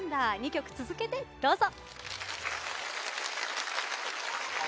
２曲続けてどうぞ。